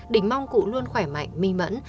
đình mong cụ luôn khỏe mạnh mi mẫn